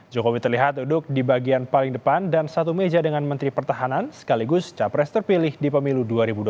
jokowi terlihat duduk di bagian paling depan dan satu meja dengan menteri pertahanan sekaligus capres terpilih di pemilu dua ribu dua puluh